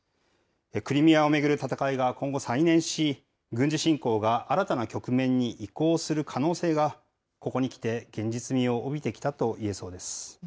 クリミアを巡る戦いが今後、再燃し、軍事侵攻が新たな局面に移行する可能性が、ここにきて現実味を帯びてきたといえそうです。